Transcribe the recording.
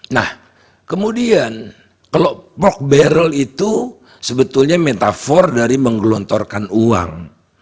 nah kemudian kelompok barrel itu sebetulnya metafor dari menggelontorkan uang